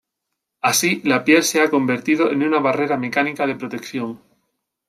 Así la piel se ha convertido en una barrera mecánica de protección.